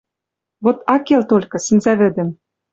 Вот ак кел толькы... сӹнзӓвӹдӹм.